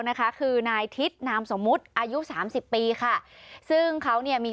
นะคะคือนายทิศนามสมมุติอายุสามสิบปีค่ะซึ่งเขาเนี่ยมี